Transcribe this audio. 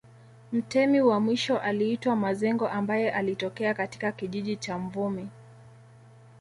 Mtemi wa mwisho aliitwa Mazengo ambaye alitokea katika kijiji cha Mvumi